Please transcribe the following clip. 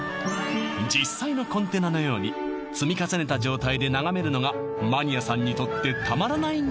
実際のコンテナのように積み重ねた状態で眺めるのがマニアさんにとってたまらないんだ